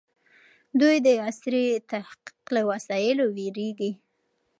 دوی د عصري تحقيق له وسایلو وېرېږي.